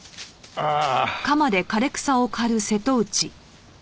ああ。